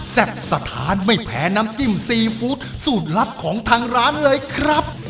สถานไม่แพ้น้ำจิ้มซีฟู้ดสูตรลับของทางร้านเลยครับ